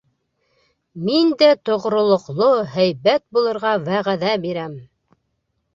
Мин дә тоғролоҡло, һәйбәт булырға вәғәҙә бирәм!..